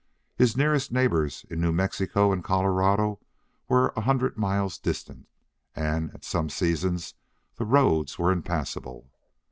His nearest neighbors in New Mexico and Colorado were a hundred miles distant and at some seasons the roads were impassable.